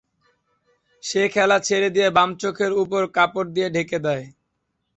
সে খেলা ছেড়ে দিয়ে বাম চোখের উপর কাপড় দিয়ে ঢেকে দেয়।